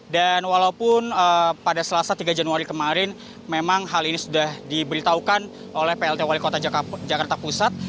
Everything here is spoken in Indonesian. dan walaupun pada selasa tiga januari kemarin memang hal ini sudah diberitahukan oleh plt wali kota jakarta pusat